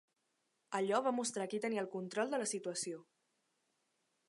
Allò va mostrar qui tenia el control de la situació.